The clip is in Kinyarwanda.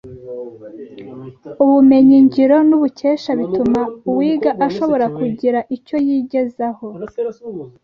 ubumenyi ngiro n’ubukesha bituma uwiga ashobora kugira icyo yigezaho